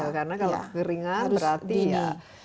karena kalau keringan berarti ya